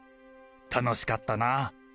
楽しかったなぁ。